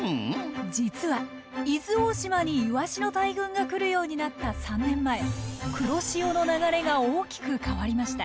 実は伊豆大島にイワシの大群が来るようになった３年前黒潮の流れが大きく変わりました。